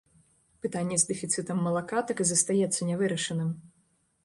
Пытанне з дэфіцытам малака так і застаецца нявырашаным.